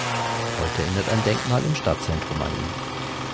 Heute erinnert ein Denkmal im Stadtzentrum an ihn.